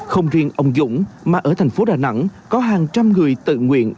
không riêng ông dũng mà ở thành phố đà nẵng có hàng trăm người tự nguyện